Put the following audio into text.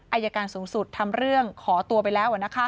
อายการสูงสุดทำเรื่องขอตัวไปแล้ว